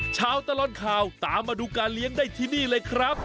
ตลอดข่าวตามมาดูการเลี้ยงได้ที่นี่เลยครับ